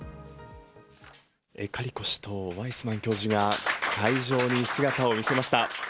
カリコ氏とワイスマン教授が会場に姿を見せました。